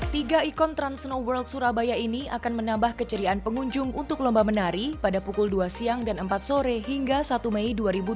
tiga ikon trans snow world surabaya ini akan menambah keceriaan pengunjung untuk lomba menari pada pukul dua siang dan empat sore hingga satu mei dua ribu dua puluh